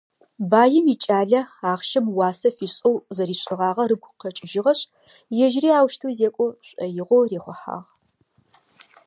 Баим икӏалэ ахъщэм уасэ фишӏэу зэришӏыгъагъэр ыгу къэкӏыжьыгъэшъ, ежьыри аущтэу зекӏо шӏоигъоу рихъухьагъ.